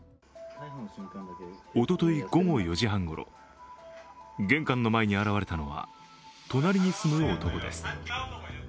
おととい午後４時半ごろ、玄関の前に現れたのは隣に住む男です。